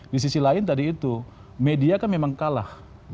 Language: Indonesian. di sisi lain tadi itu media kan memang kalah